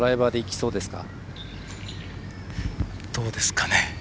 どうですかね。